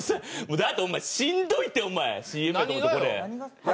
だってお前しんどいってお前ＣＭやと思ってこれ。